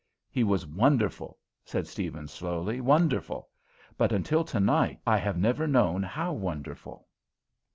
"He was wonderful," said Steavens slowly, "wonderful; but until tonight I have never known how wonderful."